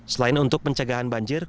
selain untuk pencegahan banjir